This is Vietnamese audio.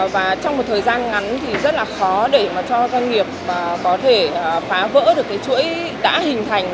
và trong một thời gian ngắn thì rất là khó để mà cho doanh nghiệp có thể phá vỡ được cái chuỗi đã hình thành